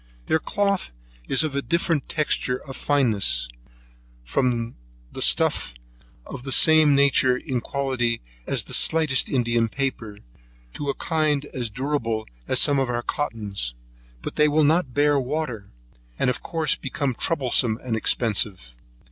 Their cloth is of different texture of fineness, from a stuff of the same nature in quality as the slightest India paper, to a kind as durable as some of our cottons; but they will not bear water, and of course become troublesome and expensive.